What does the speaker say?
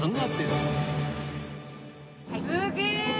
すげえ！